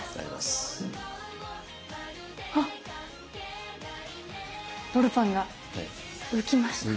あっロールパンが浮きました！